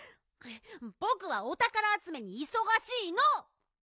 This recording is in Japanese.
ぼくはおたからあつめにいそがしいの！